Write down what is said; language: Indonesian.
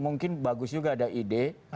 mungkin bagus juga ada ide